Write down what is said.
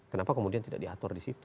kenapa kemudian tidak diatur di situ